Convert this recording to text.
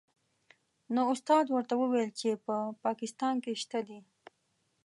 نو استاد ورته وویل چې په پاکستان کې شته دې.